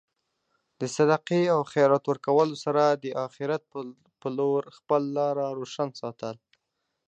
د صدقې او خیرات ورکولو سره د اخرت په لور خپل لاره روشن ساتل.